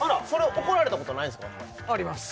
怒られたことないんですかあります